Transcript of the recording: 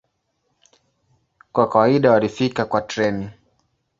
Kwa kawaida walifika kwa treni.